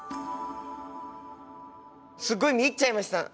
すっごい見入っちゃいました！